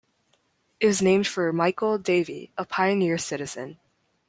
It was named for Michael Davey, a pioneer citizen.